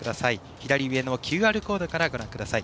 左上のＱＲコードからご覧ください。